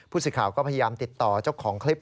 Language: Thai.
สิทธิ์ข่าวก็พยายามติดต่อเจ้าของคลิป